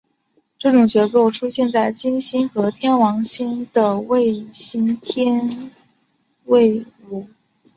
这种结构出现在金星和天王星的卫星天卫五。